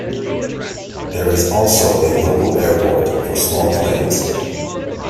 There is also a local airport for small planes.